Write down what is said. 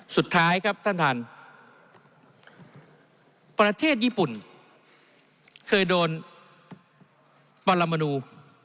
สุดท้ายครับท่านท่านประเทศญี่ปุ่นเคยโดนปรมนู